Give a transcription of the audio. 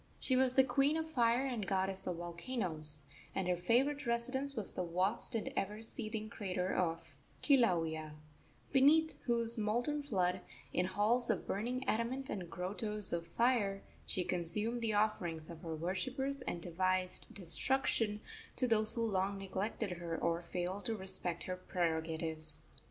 She was the queen of fire and goddess of volcanoes, and her favorite residence was the vast and ever seething crater of Kilauea, beneath whose molten flood, in halls of burning adamant and grottoes of fire, she consumed the offerings of her worshippers and devised destruction to those who long neglected her or failed to respect her prerogatives.